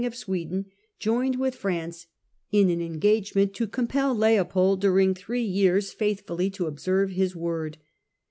t k e 0 f Sweden, joined with France in an engagement to compel Leopold during three years faith* fully to observe his word.